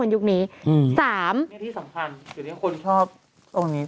นี่ที่สำคัญคือที่คนชอบตรงนี้